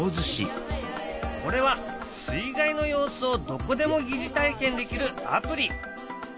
これは水害の様子をどこでも疑似体験できるアプリ。